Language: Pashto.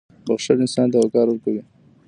• بښل انسان ته وقار ورکوي.